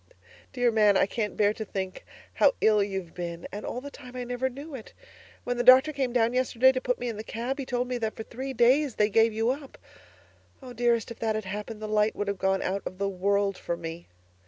Dear Man, I can't bear to think how ill you've been and all the time I never knew it. When the doctor came down yesterday to put me in the cab, he told me that for three days they gave you up. Oh, dearest, if that had happened, the light would have gone out of the world for me.